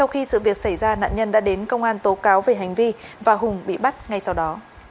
khi sự việc xảy ra nạn nhân đã đến công an tố cáo về hành vi và hùng bị bắt ngay sau đó